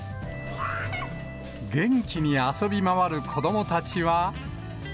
元気に遊び回る子どもたちは。